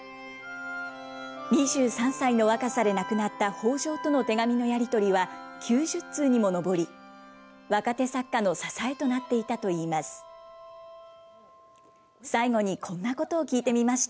２３歳の若さで亡くなった北條との手紙のやり取りは、９０通にも上り、若手作家の支えとなっていたといいます。